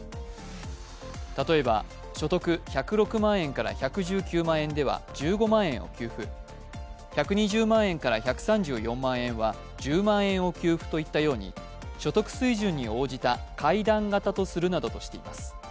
例えば、所得１０６万円から１１９万円では１５万円を給付、１２０万円から１３４万円は１０万円を給付といったように、所得水準に応じた階段型とするなどとしています。